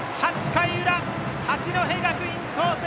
８回裏、八戸学院光星